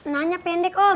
nanya pendek om